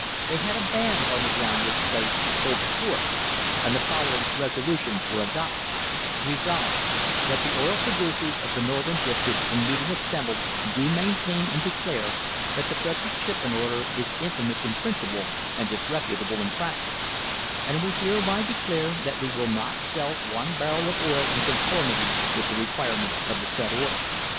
They had a band on the ground which played "Hold the Fort"; and the following resolutions were adopted :" Resolved, That the oil producers of the Northern District in meeting assembled do maintain and declare that the present shipment order is infamous in principle and disreputable in practice, and we hereby declare that we will not sell one barrel of oil in conformity with the requirements of the said order.